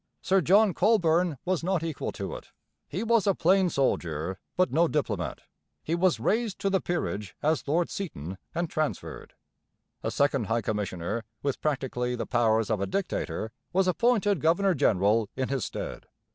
Sir John Colborne was not equal to it; he was a plain soldier, but no diplomat. He was raised to the peerage as Lord Seaton and transferred. A second High Commissioner, with practically the powers of a dictator, was appointed governor general in his stead.